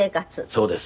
そうです。